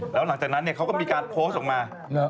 แล้วหลังจากนั้นเขาก็มีการโพสต์ออกมา